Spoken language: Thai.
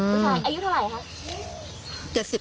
ผู้ชายอายุเท่าไหร่คะ